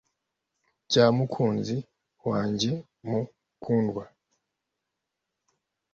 Bya mukunzi wanjye mukundwa